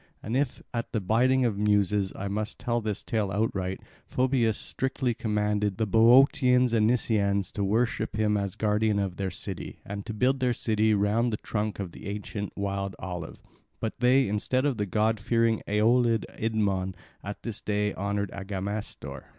And if at the bidding of the Muses I must tell this tale outright, Phoebus strictly commanded the Boeotians and Nisaeans to worship him as guardian of their city, and to build their city round the trunk of the ancient wild olive; but they, instead of the god fearing Aeolid Idmon, at this day honour Agamestor.